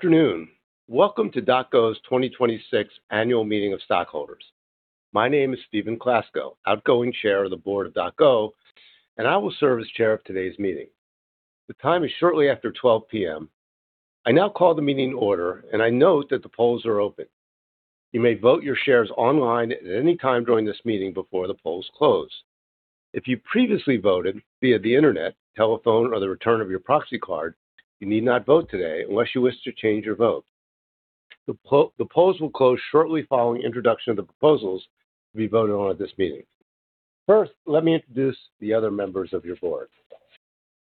Afternoon. Welcome to DocGo's 2026 Annual Meeting of Stockholders. My name is Stephen Klasko, outgoing Chair of the Board of DocGo, and I will serve as Chair of today's meeting. The time is shortly after 12:00 P.M. I now call the meeting to order. I note that the polls are open. You may vote your shares online at any time during this meeting before the polls close. If you previously voted via the internet, telephone, or the return of your proxy card, you need not vote today unless you wish to change your vote. The polls will close shortly following introduction of the proposals to be voted on at this meeting. First, let me introduce the other members of your Board.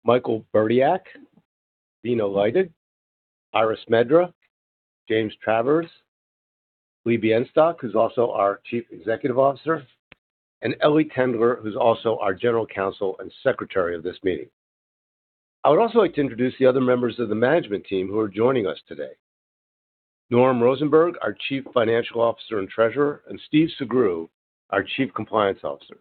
Michael Burdiek, Vina Leite, Ira Smedra, James Travers, Lee Bienstock, who's also our Chief Executive Officer, and Ely Tendler, who's also our General Counsel and Secretary of this meeting. I would also like to introduce the other members of the management team who are joining us today. Norman Rosenberg, our Chief Financial Officer and Treasurer, and Stephen Sugrue, our Chief Compliance Officer.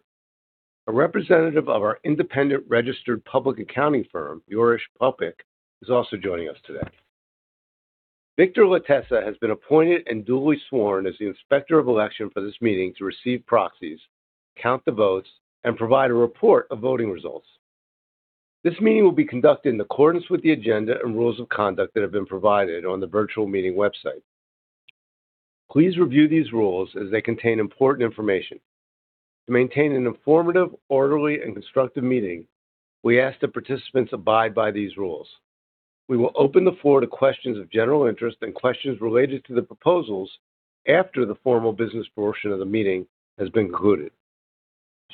A representative of our independent registered public accounting firm, Urish Popeck, is also joining us today. Victor Latessa has been appointed and duly sworn as the Inspector of Election for this meeting to receive proxies, count the votes, and provide a report of voting results. This meeting will be conducted in accordance with the agenda and rules of conduct that have been provided on the virtual meeting website. Please review these rules as they contain important information. To maintain an informative, orderly, and constructive meeting, we ask that participants abide by these rules. We will open the floor to questions of general interest and questions related to the proposals after the formal business portion of the meeting has been concluded.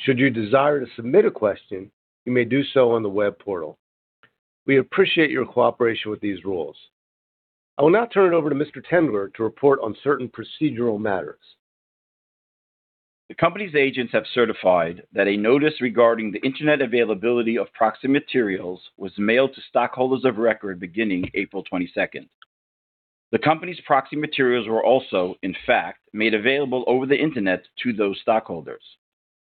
Should you desire to submit a question, you may do so on the web portal. We appreciate your cooperation with these rules. I will now turn it over to Mr. Tendler to report on certain procedural matters. The company's agents have certified that a notice regarding the internet availability of proxy materials was mailed to stockholders of record beginning April 22nd. The company's proxy materials were also, in fact, made available over the internet to those stockholders.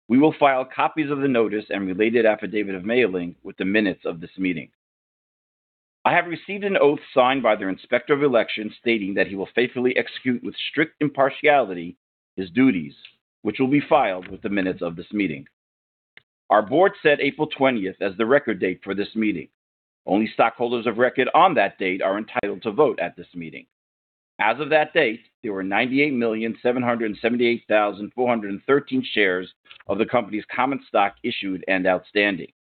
We will file copies of the notice and related affidavit of mailing with the minutes of this meeting. I have received an oath signed by their Inspector of Election stating that he will faithfully execute with strict impartiality his duties, which will be filed with the minutes of this meeting. Our Board set April 20th as the record date for this meeting. Only stockholders of record on that date are entitled to vote at this meeting. As of that date, there were 98,778,413 shares of the company's common stock issued and outstanding.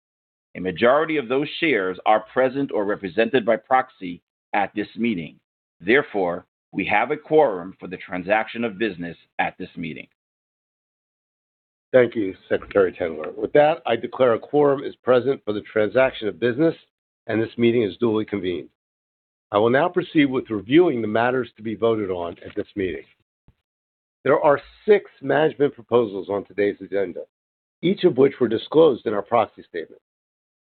A majority of those shares are present or represented by proxy at this meeting. Therefore, we have a quorum for the transaction of business at this meeting. Thank you, Secretary Tendler. With that, I declare a quorum is present for the transaction of business, and this meeting is duly convened. I will now proceed with reviewing the matters to be voted on at this meeting. There are six management proposals on today's agenda, each of which were disclosed in our proxy statement.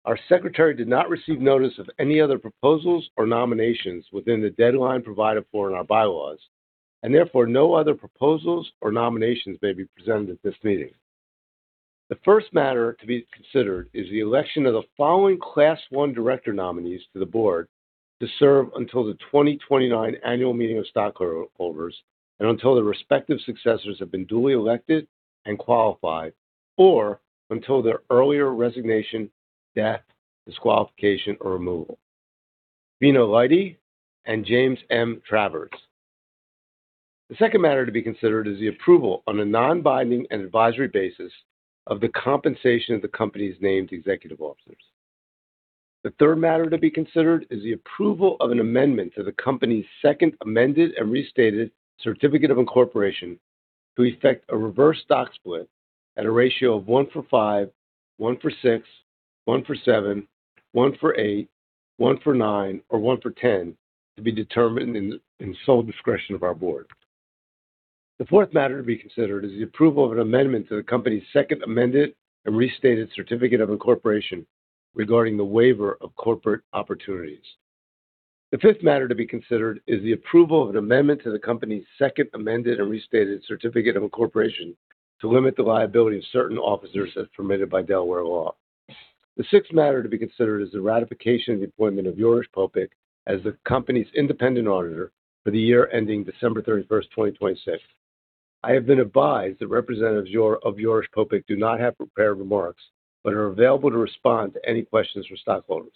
Our secretary did not receive notice of any other proposals or nominations within the deadline provided for in our bylaws, and therefore, no other proposals or nominations may be presented at this meeting. The first matter to be considered is the election of the following Class 1 director nominees to the board to serve until the 2029 annual meeting of stockholders, and until the respective successors have been duly elected and qualified, or until their earlier resignation, death, disqualification, or removal. Vina Leite and James M. Travers. The second matter to be considered is the approval on a non-binding and advisory basis of the compensation of the company's named executive officers. The third matter to be considered is the approval of an amendment to the company's Second Amended and Restated Certificate of Incorporation to effect a reverse stock split at a ratio of 1 for 5, 1 for 6, 1 for 7, 1 for 8, 1 for 9, or 1 for 10, to be determined in the sole discretion of our board. The fourth matter to be considered is the approval of an amendment to the company's Second Amended and Restated Certificate of Incorporation regarding the waiver of corporate opportunities. The fifth matter to be considered is the approval of an amendment to the company's Second Amended and Restated Certificate of Incorporation to limit the liability of certain officers as permitted by Delaware law. The sixth matter to be considered is the ratification of the appointment of Urish Popeck as the company's independent auditor for the year ending December 31st, 2026. I have been advised that representatives of Urish Popeck do not have prepared remarks, but are available to respond to any questions from stockholders.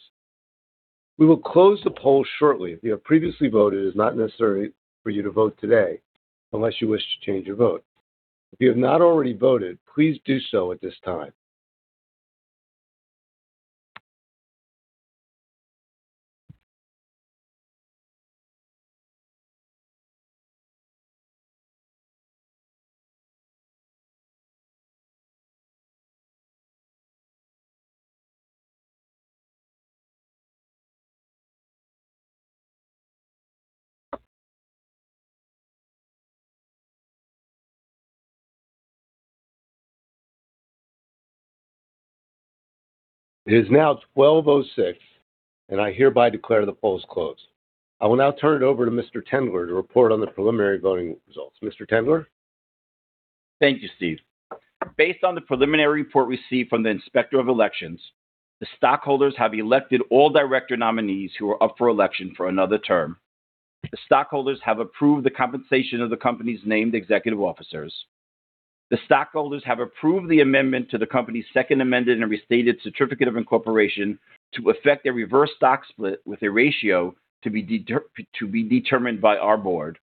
We will close the poll shortly. If you have previously voted, it is not necessary for you to vote today unless you wish to change your vote. If you have not already voted, please do so at this time. It is now 12:06 P.M., and I hereby declare the polls closed. I will now turn it over to Mr. Tendler to report on the preliminary voting results. Mr. Tendler? Thank you, Steve. Based on the preliminary report received from the Inspector of Elections, the stockholders have elected all director nominees who are up for election for another term. The stockholders have approved the compensation of the company's named executive officers. The stockholders have approved the amendment to the company's Second Amended and Restated Certificate of Incorporation to effect a reverse stock split with a ratio to be determined by our board.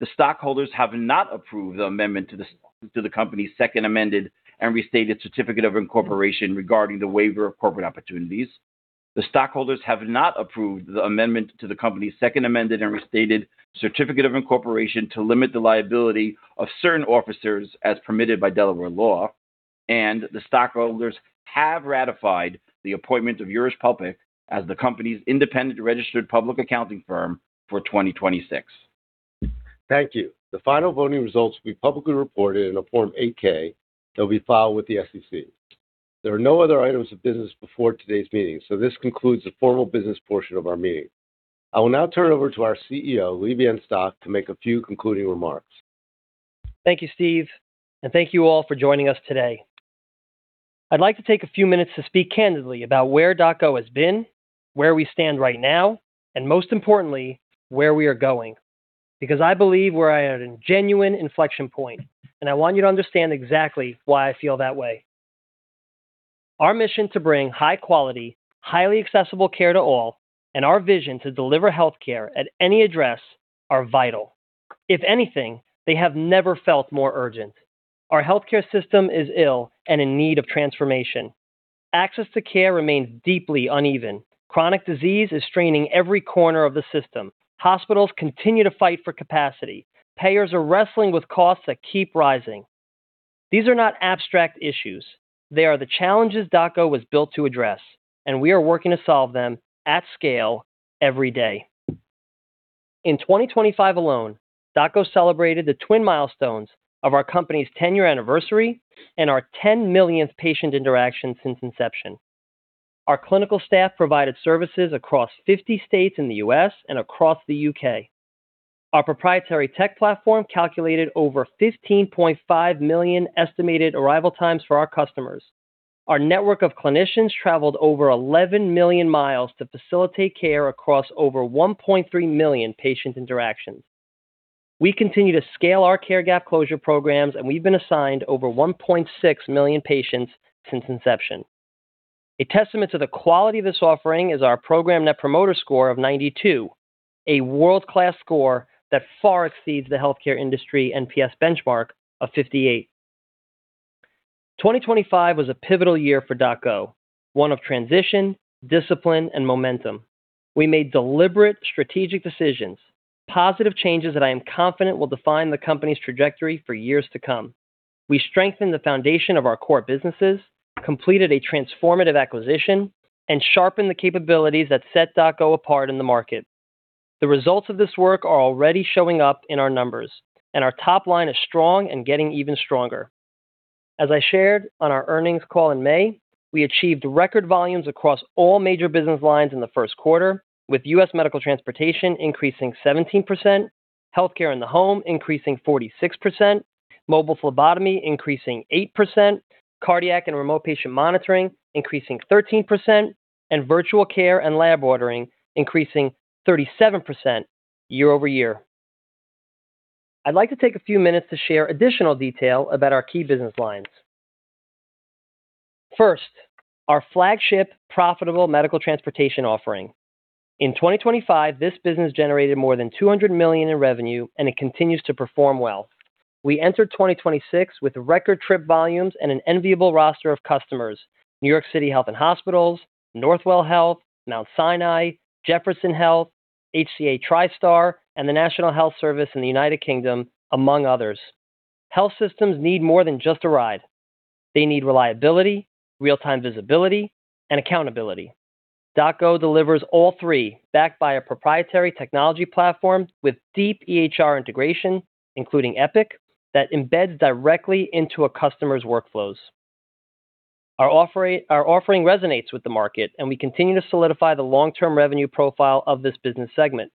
The stockholders have not approved the amendment to the company's Second Amended and Restated Certificate of Incorporation regarding the waiver of corporate opportunities. The stockholders have not approved the amendment to the company's Second Amended and Restated Certificate of Incorporation to limit the liability of certain officers as permitted by Delaware law, and the stockholders have ratified the appointment of Urish Popeck as the company's independent registered public accounting firm for 2026. Thank you. The final voting results will be publicly reported in a Form 8-K that will be filed with the SEC. There are no other items of business before today's meeting. This concludes the formal business portion of our meeting. I will now turn it over to our CEO, Lee Bienstock, to make a few concluding remarks. Thank you, Steve. Thank you all for joining us today. I'd like to take a few minutes to speak candidly about where DocGo has been, where we stand right now, most importantly, where we are going, because I believe we're at a genuine inflection point. I want you to understand exactly why I feel that way. Our mission to bring high-quality, highly accessible care to all and our vision to deliver healthcare at any address are vital. If anything, they have never felt more urgent. Our healthcare system is ill and in need of transformation. Access to care remains deeply uneven. Chronic disease is straining every corner of the system. Hospitals continue to fight for capacity. Payers are wrestling with costs that keep rising. These are not abstract issues. They are the challenges DocGo was built to address. We are working to solve them at scale every day. In 2025 alone, DocGo celebrated the twin milestones of our company's 10-year anniversary and our 10 million patient interaction since inception. Our clinical staff provided services across 50 states in the U.S. and across the U.K. Our proprietary tech platform calculated over 15.5 million estimated arrival times for our customers. Our network of clinicians traveled over 11 million miles to facilitate care across over 1.3 million patient interactions. We continue to scale our Care Gap Closure Programs. We've been assigned over 1.6 million patients since inception. A testament to the quality of this offering is our program net promoter score of 92, a world-class score that far exceeds the healthcare industry NPS benchmark of 58. 2025 was a pivotal year for DocGo, one of transition, discipline, and momentum. We made deliberate, strategic decisions, positive changes that I am confident will define the company's trajectory for years to come. We strengthened the foundation of our core businesses, completed a transformative acquisition, and sharpened the capabilities that set DocGo apart in the market. The results of this work are already showing up in our numbers, our top line is strong and getting even stronger. As I shared on our earnings call in May, we achieved record volumes across all major business lines in the first quarter, with U.S. medical transportation increasing 17%, healthcare in the home increasing 46%, mobile phlebotomy increasing 8%, cardiac and remote patient monitoring increasing 13%, and virtual care and lab ordering increasing 37% year-over-year. I'd like to take a few minutes to share additional detail about our key business lines. First, our flagship profitable medical transportation offering. In 2025, this business generated more than $200 million in revenue, it continues to perform well. We enter 2026 with record trip volumes and an enviable roster of customers: NYC Health + Hospitals, Northwell Health, Mount Sinai, Jefferson Health, HCA TriStar, and the National Health Service in the U.K., among others. Health systems need more than just a ride. They need reliability, real-time visibility, and accountability. DocGo delivers all three, backed by a proprietary technology platform with deep EHR integration, including Epic, that embeds directly into a customer's workflows. Our offering resonates with the market, we continue to solidify the long-term revenue profile of this business segment.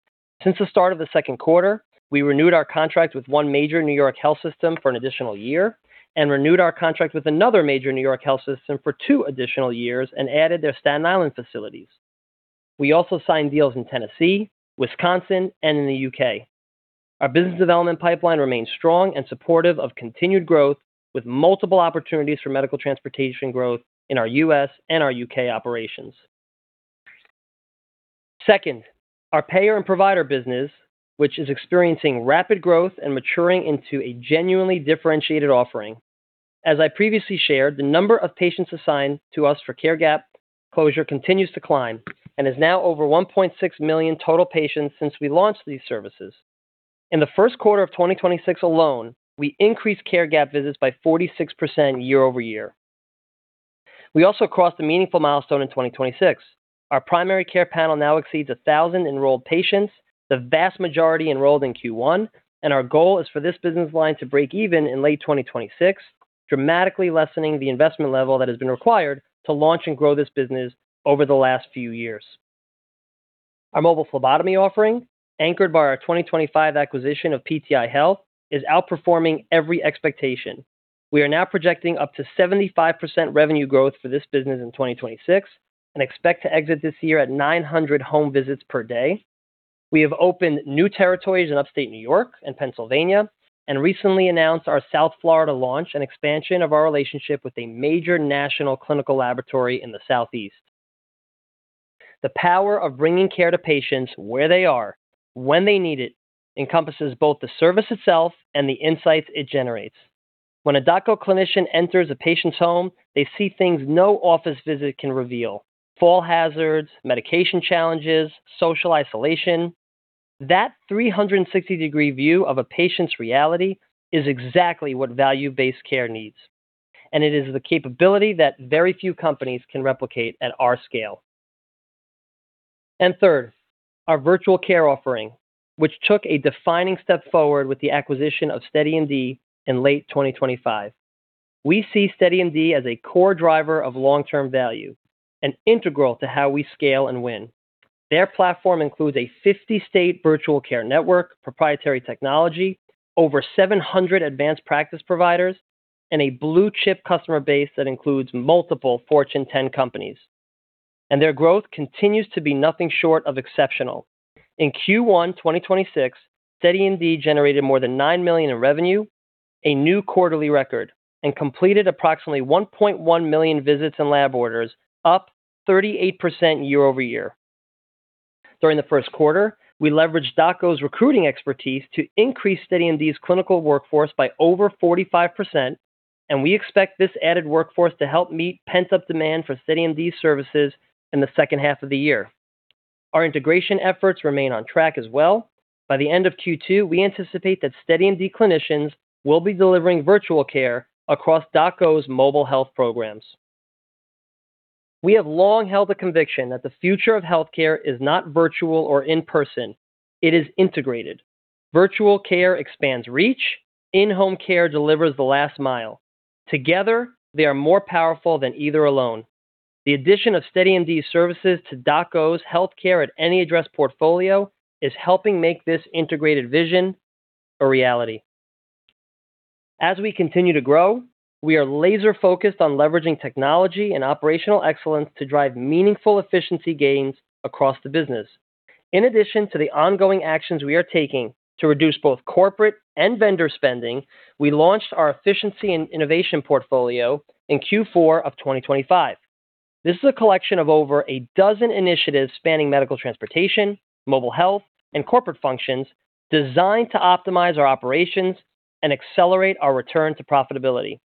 Since the start of the second quarter, we renewed our contract with one major New York health system for an additional year and renewed our contract with another major New York health system for two additional years and added their Staten Island facilities. We also signed deals in Tennessee, Wisconsin, in the U.K. Our business development pipeline remains strong and supportive of continued growth, with multiple opportunities for medical transportation growth in our U.S. our U.K. operations. Second, our payer and provider business, which is experiencing rapid growth and maturing into a genuinely differentiated offering. As I previously shared, the number of patients assigned to us for care gap closure continues to climb and is now over 1.6 million total patients since we launched these services. In the first quarter of 2026 alone, we increased care gap visits by 46% year-over-year. We also crossed a meaningful milestone in 2026. Our primary care panel now exceeds 1,000 enrolled patients, the vast majority enrolled in Q1, our goal is for this business line to break even in late 2026, dramatically lessening the investment level that has been required to launch and grow this business over the last few years. Our mobile phlebotomy offering, anchored by our 2025 acquisition of PTI Health, is outperforming every expectation. We are now projecting up to 75% revenue growth for this business in 2026 and expect to exit this year at 900 home visits per day. We have opened new territories in Upstate New York and Pennsylvania and recently announced our South Florida launch and expansion of our relationship with a major national clinical laboratory in the Southeast. The power of bringing care to patients where they are, when they need it, encompasses both the service itself and the insights it generates. When a DocGo clinician enters a patient's home, they see things no office visit can reveal: fall hazards, medication challenges, social isolation. That 360-degree view of a patient's reality is exactly what value-based care needs, it is the capability that very few companies can replicate at our scale. Third, our virtual care offering, which took a defining step forward with the acquisition of SteadyMD in late 2025. We see SteadyMD as a core driver of long-term value and integral to how we scale and win. Their platform includes a 50-state virtual care network, proprietary technology, over 700 advanced practice providers, a blue-chip customer base that includes multiple Fortune 10 companies. Their growth continues to be nothing short of exceptional. In Q1 2026, SteadyMD generated more than $9 million in revenue, a new quarterly record, and completed approximately 1.1 million visits and lab orders, up 38% year-over-year. During the first quarter, we leveraged DocGo's recruiting expertise to increase SteadyMD's clinical workforce by over 45%, and we expect this added workforce to help meet pent-up demand for SteadyMD's services in the second half of the year. Our integration efforts remain on track as well. By the end of Q2, we anticipate that SteadyMD clinicians will be delivering virtual care across DocGo's mobile health programs. We have long held the conviction that the future of healthcare is not virtual or in-person. It is integrated. Virtual care expands reach. In-home care delivers the last mile. Together, they are more powerful than either alone. The addition of SteadyMD's services to DocGo's healthcare at any address portfolio is helping make this integrated vision a reality. As we continue to grow, we are laser-focused on leveraging technology and operational excellence to drive meaningful efficiency gains across the business. In addition to the ongoing actions we are taking to reduce both corporate and vendor spending, we launched our efficiency and innovation portfolio in Q4 of 2025. This is a collection of over a dozen initiatives spanning Medical Transportation, mobile health, and corporate functions designed to optimize our operations and accelerate our return to profitability.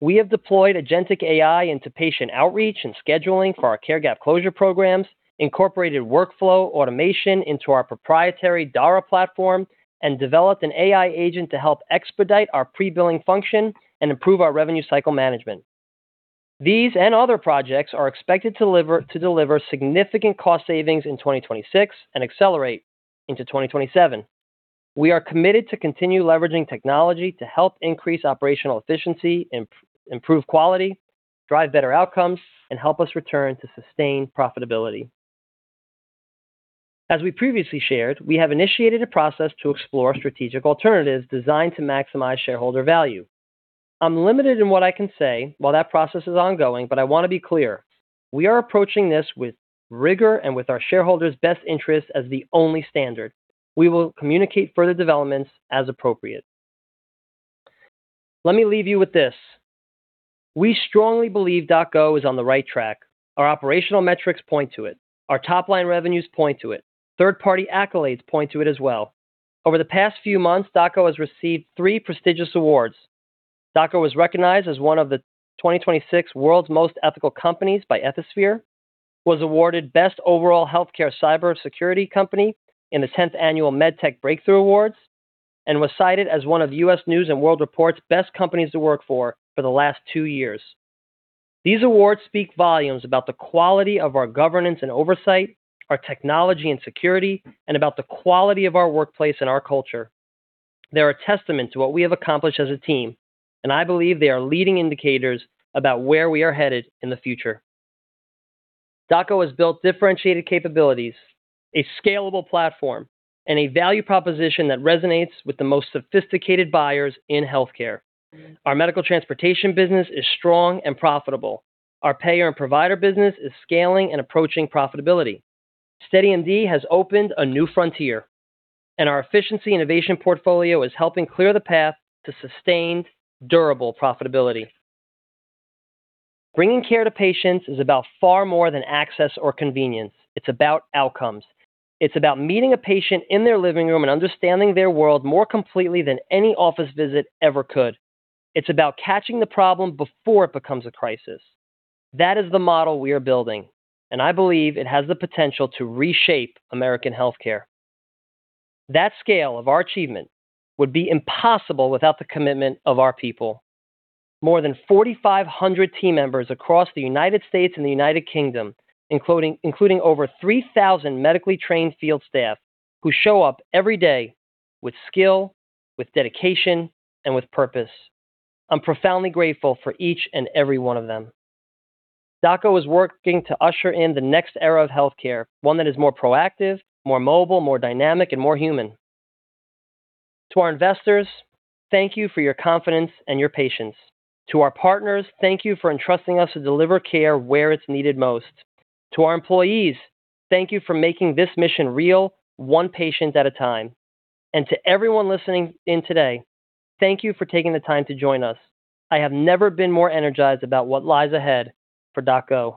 We have deployed agentic AI into patient outreach and scheduling for our Care Gap Closure Programs, incorporated workflow automation into our proprietary Dara platform, and developed an AI agent to help expedite our pre-billing function and improve our revenue cycle management. These and other projects are expected to deliver significant cost savings in 2026 and accelerate into 2027. We are committed to continue leveraging technology to help increase operational efficiency, improve quality, drive better outcomes, and help us return to sustained profitability. As we previously shared, we have initiated a process to explore strategic alternatives designed to maximize shareholder value. I'm limited in what I can say while that process is ongoing, I want to be clear. We are approaching this with rigor and with our shareholders' best interests as the only standard. We will communicate further developments as appropriate. Let me leave you with this. We strongly believe DocGo is on the right track. Our operational metrics point to it. Our top-line revenues point to it. Third-party accolades point to it as well. Over the past few months, DocGo has received three prestigious awards. DocGo was recognized as one of the 2026 World's Most Ethical Companies by Ethisphere, was awarded Best Overall Healthcare Cybersecurity Company in the 10th Annual MedTech Breakthrough Awards, and was cited as one of U.S. News & World Report's Best Companies to Work For for the last two years. These awards speak volumes about the quality of our governance and oversight, our technology and security, and about the quality of our workplace and our culture. They're a testament to what we have accomplished as a team, I believe they are leading indicators about where we are headed in the future. DocGo has built differentiated capabilities, a scalable platform, and a value proposition that resonates with the most sophisticated buyers in healthcare. Our medical transportation business is strong and profitable. Our payer and provider business is scaling and approaching profitability. SteadyMD has opened a new frontier. Our efficiency innovation portfolio is helping clear the path to sustained, durable profitability. Bringing care to patients is about far more than access or convenience. It's about outcomes. It's about meeting a patient in their living room and understanding their world more completely than any office visit ever could. It's about catching the problem before it becomes a crisis. That is the model we are building, I believe it has the potential to reshape American healthcare. That scale of our achievement would be impossible without the commitment of our people. More than 4,500 team members across the United States and the United Kingdom, including over 3,000 medically trained field staff who show up every day with skill, with dedication, and with purpose. I'm profoundly grateful for each and every one of them. DocGo is working to usher in the next era of healthcare, one that is more proactive, more mobile, more dynamic, and more human. To our investors, thank you for your confidence and your patience. To our partners, thank you for entrusting us to deliver care where it's needed most. To our employees, thank you for making this mission real, one patient at a time. To everyone listening in today, thank you for taking the time to join us. I have never been more energized about what lies ahead for DocGo.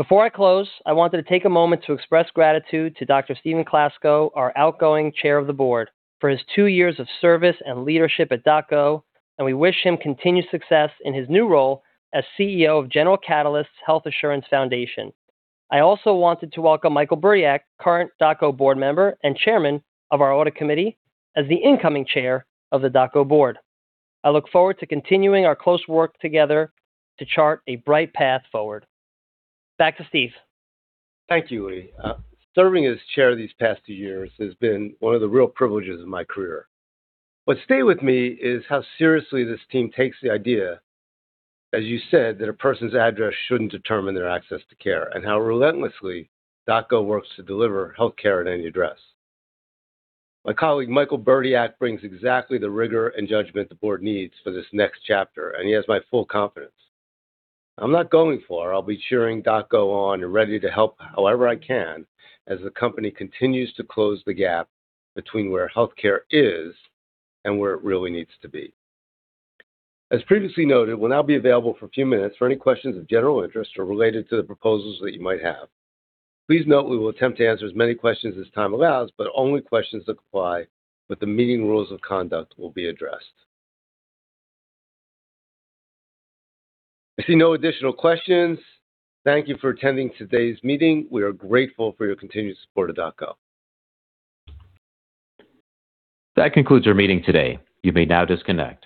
Before I close, I wanted to take a moment to express gratitude to Dr. Stephen Klasko, our outgoing Chair of the Board, for his two years of service and leadership at DocGo, and we wish him continued success in his new role as CEO of General Catalyst's Health Assurance Foundation. I also wanted to welcome Michael Burdiek, current DocGo board member and Chairman of our audit committee, as the incoming Chair of the DocGo board. I look forward to continuing our close work together to chart a bright path forward. Back to Steve. Thank you, Lee. Serving as chair these past two years has been one of the real privileges of my career. What's stayed with me is how seriously this team takes the idea, as you said, that a person's address shouldn't determine their access to care, and how relentlessly DocGo works to deliver healthcare at any address. My colleague Michael Burdiek brings exactly the rigor and judgment the board needs for this next chapter, and he has my full confidence. I'm not going far. I'll be cheering DocGo on and ready to help however I can, as the company continues to close the gap between where healthcare is and where it really needs to be. As previously noted, we'll now be available for a few minutes for any questions of general interest or related to the proposals that you might have. Please note we will attempt to answer as many questions as time allows, only questions that comply with the meeting rules of conduct will be addressed. I see no additional questions. Thank you for attending today's meeting. We are grateful for your continued support of DocGo. That concludes our meeting today. You may now disconnect.